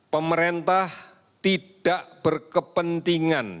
pemerintah tidak berkepentingan